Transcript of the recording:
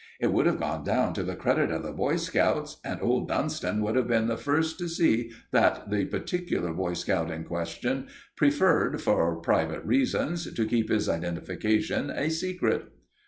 It would have gone down to the credit of the Boy Scouts, and old Dunston would have been the first to see that the particular Boy Scout in question preferred, for private reasons, to keep his identification a secret."